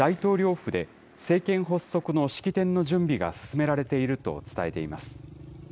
府で、政権発足の式典の準備が進められていると伝えています。